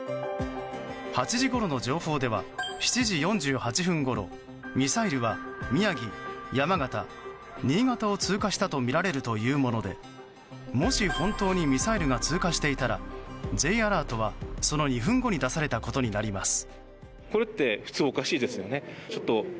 ８時ごろの情報では７時４８分ごろミサイルは宮城、山形、新潟を通過したとみられるというものでもし本当にミサイルが通過していたらＪアラートは、その２分後に出されたことになります。